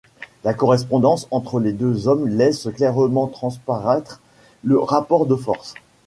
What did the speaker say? La correspondance entre les deux hommes laisse clairement transparaître le rapport de force.